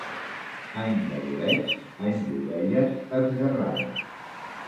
Any de bolets, any d'ovelles esguerrades.